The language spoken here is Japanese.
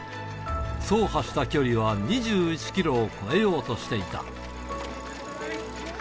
走破した距離は２１キロを超えようとしていた。